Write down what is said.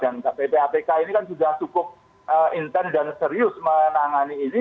dan kpk apk ini kan sudah cukup intent dan serius menangani ini